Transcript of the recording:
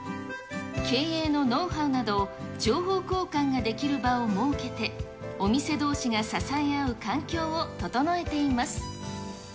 経営のノウハウなど、情報交換ができる場を設けて、お店どうしが支え合う環境を整えています。